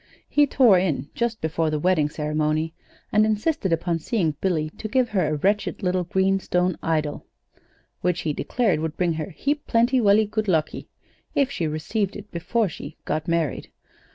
He tore in just before the wedding ceremony, and insisted upon seeing Billy to give her a wretched little green stone idol, which he declared would bring her 'heap plenty velly good luckee' if she received it before she 'got married.'